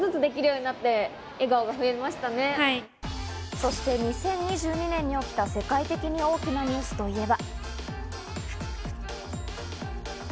そして２０２２年に起きた、世界的に大きなニュースといえば。